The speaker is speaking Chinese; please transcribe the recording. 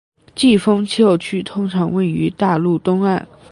季风气候区通常位于大陆东岸